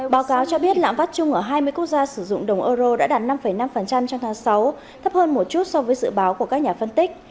báo cáo cho biết lãm phát chung ở hai mươi quốc gia sử dụng đồng euro đã đạt năm năm trong tháng sáu thấp hơn một chút so với dự báo của các nhà phân tích